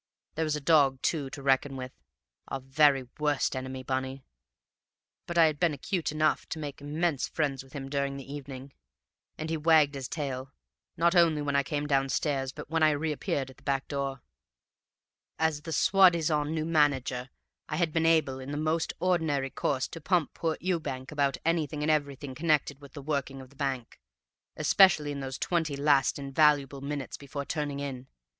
There was a dog, too, to reckon with (our very worst enemy, Bunny); but I had been 'cute enough to make immense friends with him during the evening; and he wagged his tail, not only when I came downstairs, but when I reappeared at the back door. "As the soi disant new manager, I had been able, in the most ordinary course, to pump poor Ewbank about anything and everything connected with the working of the bank, especially in those twenty last invaluable minutes before turning in.